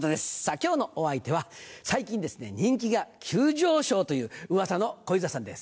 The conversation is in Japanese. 今日のお相手は最近人気が急上昇という噂の小遊三さんです。